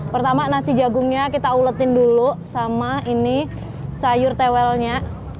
pertama nasi jagungnya kita uletin dulu sama ini sayur tewelnya